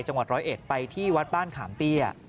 จังหวัดร้อยเอ็ดไปที่วัดบ้านขามเตี้ย